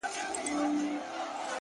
چي پکي روح نُور سي؛ چي پکي وژاړي ډېر؛